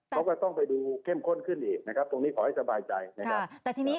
ก็ต้องไปดูเข้มข้นขึ้นอีกตรงนี้ขอให้สบายใจ